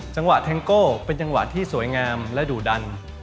จังหวะแทงโก้เป็นจังหวะที่สวยงามและดูด่าน